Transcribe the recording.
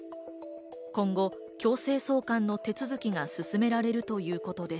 今後、強制送還の手続きが進められるということです。